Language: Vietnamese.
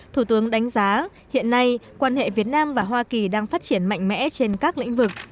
thủ tướng đánh giá hiện nay quan hệ việt nam và hoa kỳ đang phát triển mạnh mẽ trên các lĩnh vực